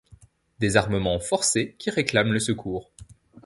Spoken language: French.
Désarmement forcé qui réclame le secours.